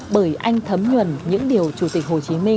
bởi anh thấm nhuần những điều chủ tịch hồ chí minh đã ghi nhận